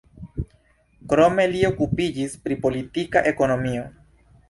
Krome li okupiĝis pri politika ekonomio.